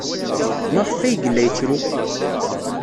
Maɣef ay yella yettru?